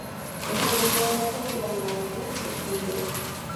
Es miembro de la agencia "Luo Jin Studio".